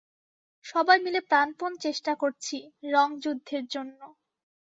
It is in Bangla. সবাই মিলে প্রাণপণ চেষ্টা করছি রঙ যুদ্ধের জন্য!